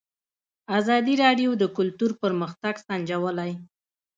ازادي راډیو د کلتور پرمختګ سنجولی.